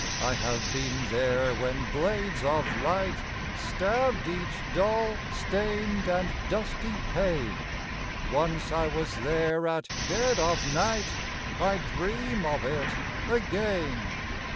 I have been there when blades of light Stabbed each dull, stained, and dusty pane; Once I was there at dead of night I dream of it again....